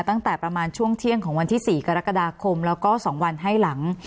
ตั้งแต่ประมาณช่วงเที่ยงของวันที่๔กรกฎาคมแล้วก็๒วันให้หลัง